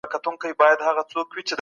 ناسم خوراک مزاج خرابوي.